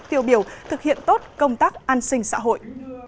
tiêu biểu thực hiện tốt công tác an sinh xã hội